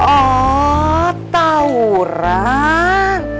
oh tau ran